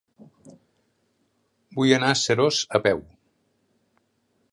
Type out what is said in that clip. Vull anar a Seròs a peu.